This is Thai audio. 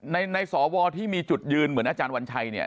ในสวที่มีจุดยืนเหมือนอาจารย์วัญชัยเนี่ย